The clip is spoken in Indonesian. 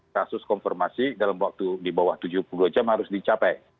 kasus konfirmasi dalam waktu di bawah tujuh puluh dua jam harus dicapai